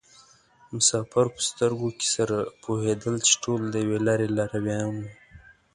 مسافر په سترګو کې سره پوهېدل چې ټول د یوې لارې لارویان وو.